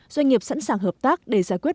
doanh nghiệp sẵn sàng hợp tác để giải quyết